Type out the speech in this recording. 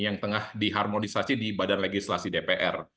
yang tengah diharmonisasi di badan legislasi dpr